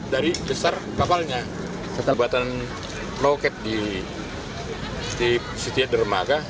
dari besar kapalnya kita buatan loket di setiap dermaga